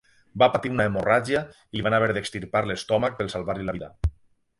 Va patir una hemorràgia i li van haver d'extirpar l'estómac per salvar-li la vida.